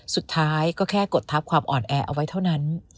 สุดท้ายก็แค่กดทับความอ่อนแอเอาไว้เท่านั้น